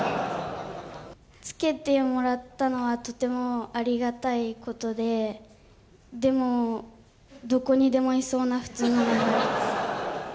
付けてもらったのはとてもありがたいことで、でも、どこにでもいそうな普通の名前です。